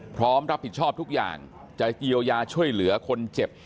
พร้อมรับผิดชอบทุกอย่างจะเยียวยาช่วยเหลือคนเจ็บ